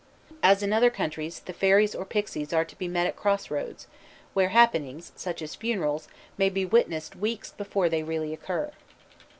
_ As in other countries the fairies or pixies are to be met at crossroads, where happenings, such as funerals, may be witnessed weeks before they really occur.